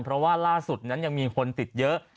เพราะว่าล่าสุดนั้นยังมีคนติดเยอะ